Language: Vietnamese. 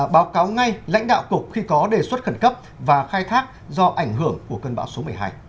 bão cục khi có đề xuất khẩn cấp và khai thác do ảnh hưởng của cơn bão số một mươi hai